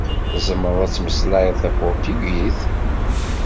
Tzemreḍ ad tmeslayeḍ tapuṛtugit?